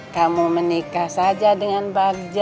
kamu menikah saja dengan bagja